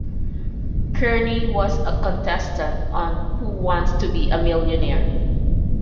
Kearney was a contestant on Who Wants to be a Millionaire?